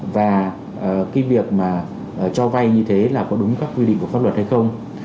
và cái việc mà cho vay như thế là có đúng các quy định của pháp luật hay không